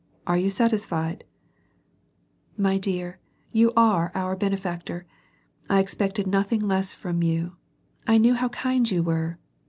Are you sat isfied ?" ''My dear, you are our benefactor. I expected nothing less from you — I knew how kind you were.